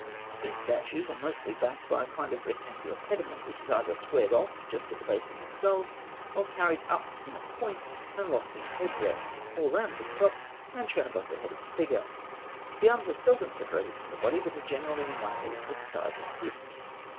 These statues are mostly backed by a kind of rectangular pediment, which is either squared off just at the base of the skull, or carried up in a point and lost in the head dress, or rounded at the top and showing above the head of the figure. The arms are seldom separated from the body, but are generally in one piece with the sides and hips.